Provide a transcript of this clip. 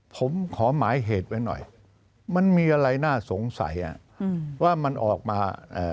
ผมขอหมายเหตุไว้หน่อยมันมีอะไรน่าสงสัยว่ามันออกมา